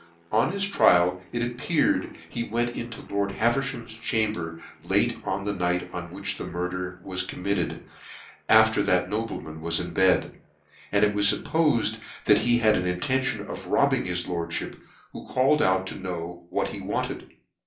On his trial it appeared that he went into lord Haveriham's chamber late on the night on whicli the murder was committed, after that nobleman was in bedj and it was fuppofed that he had an intention of robbing his lordfhip, who called out to know what he wanted.